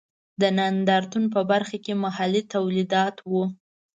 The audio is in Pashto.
د نندارتون په برخه کې محلي تولیدات و.